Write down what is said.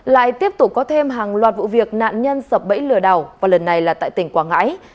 lại tiếp tục có thêm hàng loạt vụ việc nạn nhân sập bẫy lừa đảo và lần này là tại tỉnh quảng ngãi